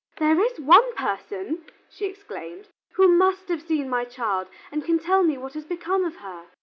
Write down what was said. "There is one person," she exclaimed, "who must have seen my child and can tell me what has become of her.